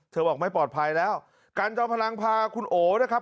บอกไม่ปลอดภัยแล้วกันจอมพลังพาคุณโอนะครับ